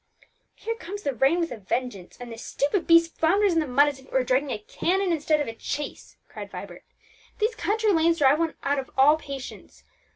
"Here comes the rain with a vengeance, and this stupid beast flounders in the mud as if it were dragging a cannon instead of a chaise," cried Vibert. "These country lanes drive one out of all patience!